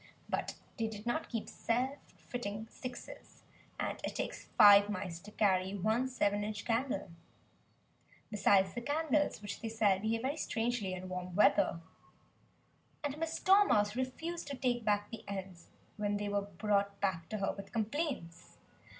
But they did not keep "self fitting sixes"; and it takes five mice to carry one seven inch candle. Besides the candles which they sell behave very strangely in warm weather. And Miss Dormouse refused to take back the ends when they were brought back to her with complaints.